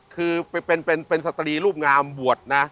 คือเป็นสตรีรูปงามบวชนะ